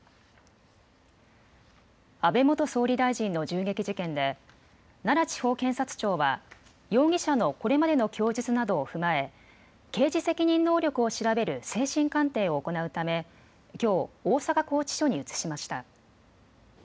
安倍元総理大臣の銃撃事件で奈良地方検察庁は容疑者のこれまでの供述などを踏まえ刑事責任能力を調べる精神鑑定を行うためきょう大阪拘置所に移しました。